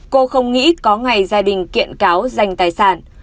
cô không nghĩ có ngày gia đình kiện cáo dành tài sản